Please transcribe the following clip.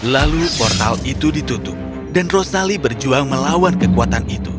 lalu portal itu ditutup dan rosali berjuang melawan kekuatan itu